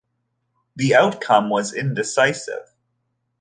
The outcome was indecisive.